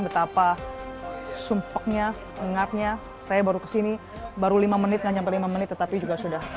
betapa sumpahnya ingatnya saya baru kesini baru lima menit nggak sampai lima menit tetapi juga sudah